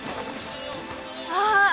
ああ！